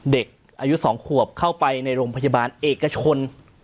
เด็กอายุ๒ขวบเข้าไปในโรงพยาบาลเอกชน